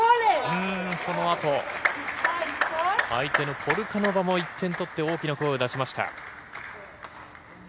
そのあと、相手のポルカノバも１点取って、大きな声を出しました。